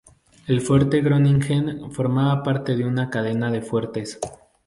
El Fuerte Groningen formaba parte de una cadena de fuertes.